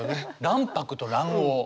卵白と卵黄。